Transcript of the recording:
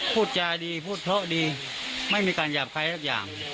พูดจาดีพูดเพราะดีไม่มีการหยาบใครสักอย่าง